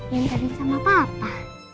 yang tadi sama papa